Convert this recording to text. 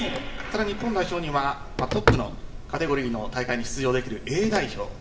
日本代表にはトップのカテゴリーの大会に出場できるＡ代表。